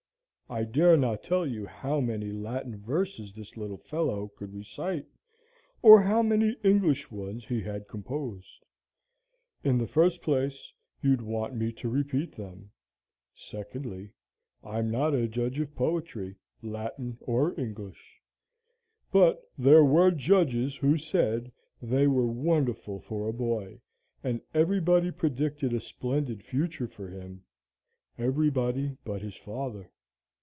I dare not tell you how many Latin verses this little fellow could recite, or how many English ones he had composed. In the first place, you'd want me to repeat them; secondly, I'm not a judge of poetry, Latin or English. But there were judges who said they were wonderful for a boy, and everybody predicted a splendid future for him. Everybody but his father.